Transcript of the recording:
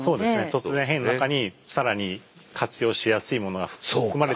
突然変異の中に更に活用しやすいものが含まれてたら。